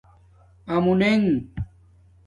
آمُونگ